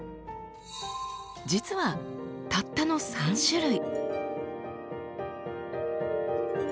実はたったの３種類。